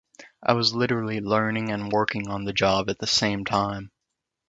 I was literally learning and working on the job at the same time.